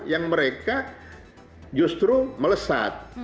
yang mereka justru melesat